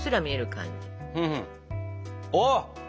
あっ！